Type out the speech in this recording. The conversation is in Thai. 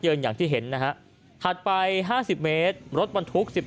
อย่างที่เห็นนะฮะถัดไป๕๐เมตรรถบรรทุก๑๘